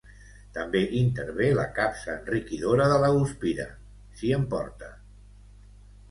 També intervé la capsa enriquidora de la guspira, si en porta.